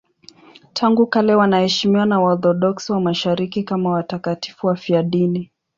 Tangu kale wanaheshimiwa na Waorthodoksi wa Mashariki kama watakatifu wafiadini.